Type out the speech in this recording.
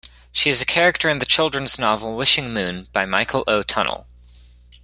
She is a character in the children's novel "Wishing Moon" by Michael O. Tunnell.